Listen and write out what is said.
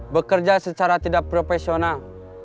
bekerja secara tidak profesional